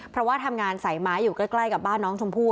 เพราะว่าทำงานใส่ไม้อยู่ใกล้กับบ้านน้องชมพู่